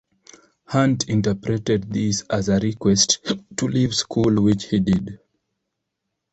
Hunt interpreted this as a request to leave school, which he did.